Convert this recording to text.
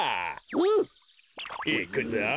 うん！いくぞ！